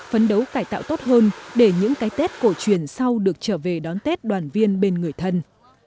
phấn đấu cải tạo tốt hơn để những cái tết cổ truyền sau được trở về đón tết đoàn viên bên người thân